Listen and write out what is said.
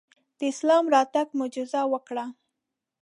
د اسلام راتګ معجزه وکړه.